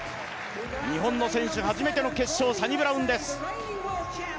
日本の選手初めての決勝、サニブラウンです。